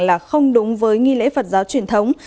là không đúng với nghi lễ phật giáo truyền thống